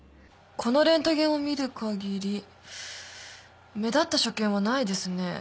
このレントゲンを見る限り目立った所見はないですね。